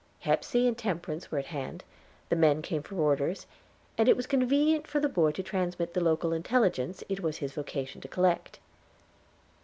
Hepsey and Temperance were at hand, the men came for orders, and it was convenient for the boy to transmit the local intelligence it was his vocation to collect.